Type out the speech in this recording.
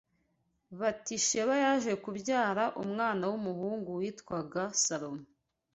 Batisheba yaje kubyara umwana w’umuhungu witwaga Salomo